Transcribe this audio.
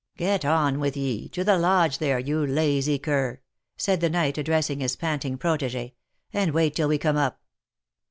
" Get on with ye, to the lodge there, you lazy cur," said the knight, addressing his panting protege, " and wait till we come up."